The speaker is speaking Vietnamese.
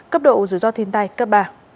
cấp độ dù do thiên tai cấp ba